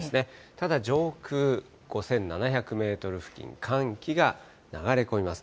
ただ上空５７００メートル付近、寒気が流れ込みます。